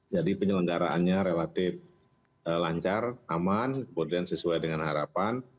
jadi penyelenggaraannya relatif lancar aman kemudian sesuai dengan harapan